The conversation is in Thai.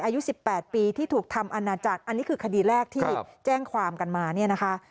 อายุ๑๘ปีที่ถูกทำอนาจารย์อันนี้คือคดีแรกที่แจ้งความกันมาเนี่ยนะคะ